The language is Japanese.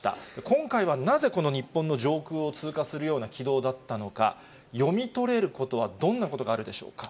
今回はなぜ、この日本の上空を通過するような軌道だったのか、読み取れることはどんなことがあるでしょうか。